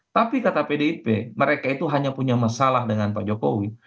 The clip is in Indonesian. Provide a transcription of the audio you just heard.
tapi kata pdip mereka itu hanya punya masalah dengan pak jokowi